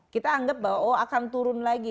kita anggap bahwa oh akan turun lagi